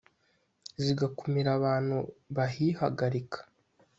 zigakumira abantu bahihagarika